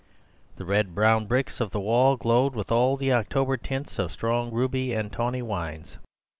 The red brown bricks of the wall glowed with all the October tints of strong ruby and tawny wines.